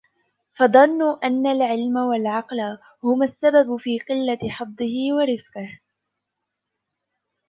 فَظَنُّوا أَنَّ الْعِلْمَ وَالْعَقْلَ هُمَا السَّبَبُ فِي قِلَّةِ حَظِّهِ وَرِزْقِهِ